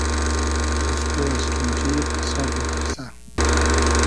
گۉسپۉ از ݖونݖی یی قئسساب میتیرسۂ